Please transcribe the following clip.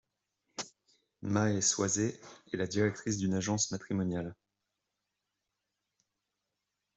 Mae Swasey est la directrice d'une agence matrimoniale.